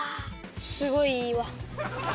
すごいいい？